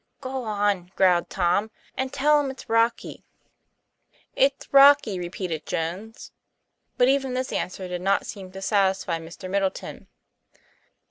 "Go on," growled Tom, "and tell him it's rocky." 'It's rocky," repeated Jones. But even this answer did not seem to satisfy Mr. Middleton.